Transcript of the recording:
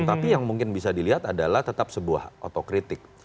tapi yang mungkin bisa dilihat adalah tetap sebuah otokritik